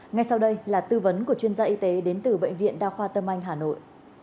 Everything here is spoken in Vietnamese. ngay sau đây là tư vấn của chuyên gia y tế đến từ bệnh viện đa khoa tâm anh hà nội